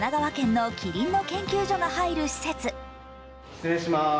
失礼します。